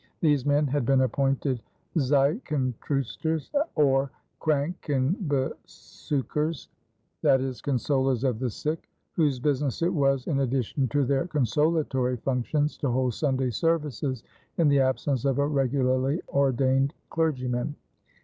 These men had been appointed ziekentroosters or krankenbesoeckers (i.e., consolers of the sick), whose business it was, in addition to their consolatory functions, to hold Sunday services in the absence of a regularly ordained clergyman.